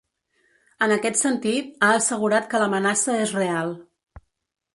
En aquest sentit, ha assegurat que l’amenaça és real.